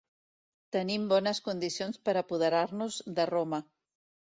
Tenim bones condicions per apoderar-nos de Roma.